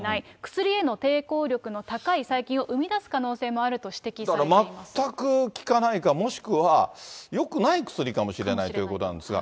薬への抵抗力の高い細菌を生み出す可能性も高いと指摘されていまだから全く効かないか、もしくはよくない薬かもしれないということなんですが。